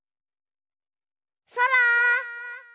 そら！